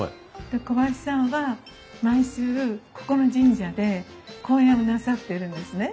で小林さんは毎週ここの神社で公演をなさってるんですね。